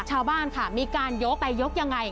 ชาวบ้านค่ะมีการยกไปยกยังไง